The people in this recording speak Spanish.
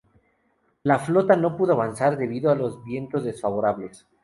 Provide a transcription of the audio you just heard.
La flota no pudo avanzar debido a los vientos desfavorables.